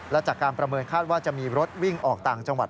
และจากการประเมินคาดว่าจะมีรถวิ่งออกต่างจังหวัด